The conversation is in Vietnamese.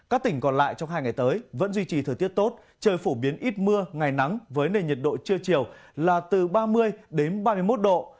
các tỉnh còn lại trong hai ngày tới vẫn duy trì thời tiết tốt trời phổ biến ít mưa ngày nắng với nền nhiệt độ trưa chiều là từ ba mươi đến ba mươi một độ